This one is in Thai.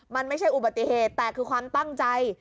มันไม่ใช่อุบัติเหตุแต่คือความตั้งใจ